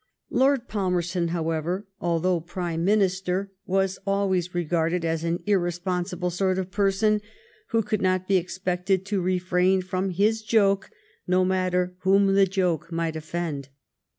Lord Palmerston, however, although Prime Min 238 THE STORY OF GLADSTONE'S LIFE ister, was always regarded as an irresponsible sort of person, who could not be expected to refrain from his joke, no matter whom the joke might offend.